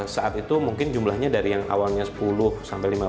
saat itu mungkin jumlahnya dari yang awalnya sepuluh sampai lima belas